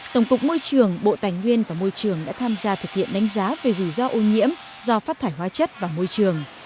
tổng cục môi trường bộ tài nguyên và môi trường đã tham gia thực hiện đánh giá về rủi ro ô nhiễm do phát thải hóa chất vào môi trường